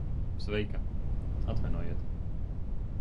Sveika. Atvainojiet...